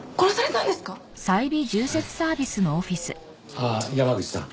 ああ山口さん。